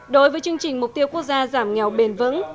đối với chương trình mục tiêu quốc gia giảm nghèo bền vững